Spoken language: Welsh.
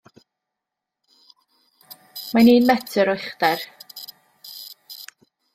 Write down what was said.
Mae'n un metr o uchder.